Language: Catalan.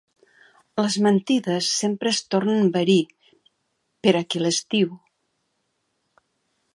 Les mentides sempre es tornen verí per a qui les diu.